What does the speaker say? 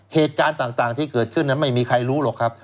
เหตุการณ์ต่างที่เกิดขึ้นนั้นไม่มีใครรู้หรอกครับ